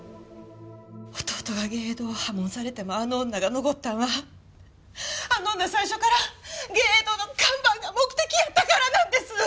弟が藝榮堂を破門されてもあの女が残ったんはあの女最初から藝榮堂の看板が目的やったからなんです！！